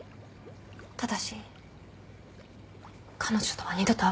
ただし彼女とは二度と会わないで。